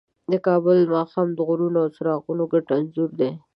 د کابل ماښام د غرونو او څراغونو ګډ انځور دی.